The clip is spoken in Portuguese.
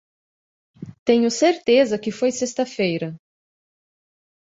Tenho certeza que foi sexta-feira.